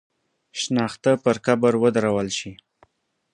شنخته پر قبر ودرول شي.